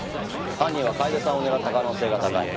犯人は楓さんを狙った可能性が高い。